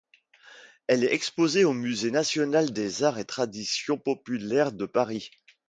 Elle est exposée au Musée national des arts et traditions populaires de Paris.